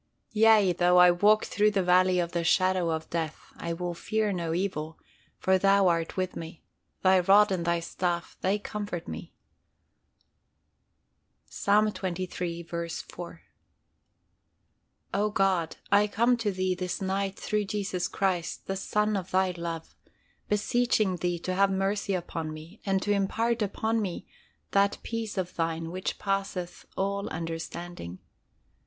"Yea, though I walk through the valley of the shadow of death, I will fear no evil: for Thou art with me; Thy rod and Thy staff they comfort me." Ps. xxiii. 4. O God, I come to Thee this night through Jesus Christ, the Son of Thy love, beseeching Thee to have mercy upon me, and to impart unto me that Peace of Thine which passeth all understanding.